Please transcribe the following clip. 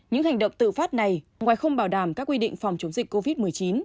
những hành động tự phát này ngoài không bảo đảm các quy định phòng chống dịch covid một mươi chín